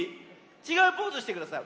ちがうポーズしてください。